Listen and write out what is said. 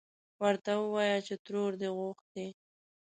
ورته ووايه چې ترور دې غوښتې.